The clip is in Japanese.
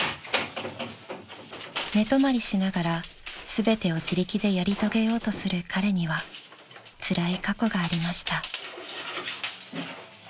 ［寝泊まりしながら全てを自力でやり遂げようとする彼にはつらい過去がありました］